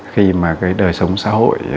khi mà cái đời sống xã hội